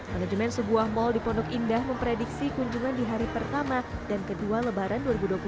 manajemen sebuah mal di pondok indah memprediksi kunjungan di hari pertama dan kedua lebaran dua ribu dua puluh tiga